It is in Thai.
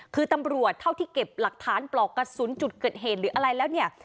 คือตำรวจเท่าที่เก็บหลักฐานปลอกกระสุนจุดเกิดเหตุหรืออะไรแล้วเนี่ย